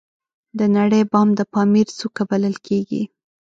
د نړۍ بام د پامیر څوکه بلل کیږي